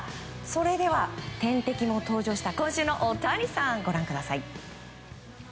それでは天敵も登場した今週のオオタニさんご覧ください。